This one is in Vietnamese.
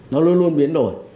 nó luôn luôn biến đổi